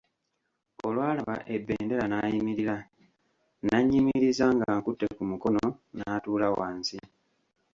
Olwalaba ebendera n'ayimirira, n'annyimiriza ng'ankutte ku mukono, n'atuula wansi.